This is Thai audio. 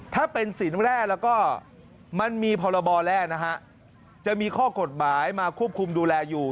ถ้าเป็นสินแร่แล้วก็มันมีพรบแร่นะฮะจะมีข้อกฎหมายมาควบคุมดูแลอยู่